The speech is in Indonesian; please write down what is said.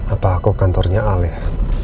apa aku kantornya aleh